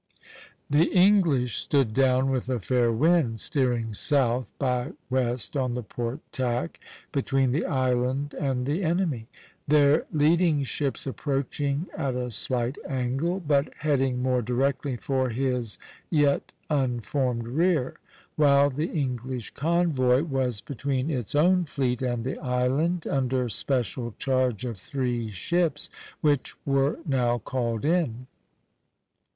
A.). The English stood down with a fair wind, steering south by west on the port tack (A), between the island and the enemy, their leading ships approaching at a slight angle, but heading more directly for his yet unformed rear; while the English convoy was between its own fleet and the island, under special charge of three ships (A, a), which were now called in.